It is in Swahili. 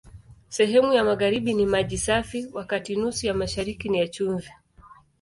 Sehemu ya magharibi ni maji safi, wakati nusu ya mashariki ni ya chumvi.